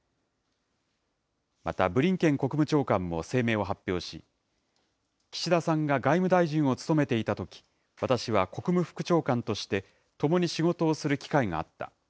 またブリンケン国務長官も声明を発表し、岸田さんが外務大臣を務めていたとき、私は国務副長官としてともに仕事をする機会があった。